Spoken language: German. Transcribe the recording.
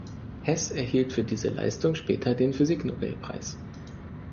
Hess erhielt für diese Leistung später den Physik-Nobelpreis.